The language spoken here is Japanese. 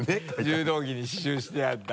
柔道着に刺しゅうしてあった。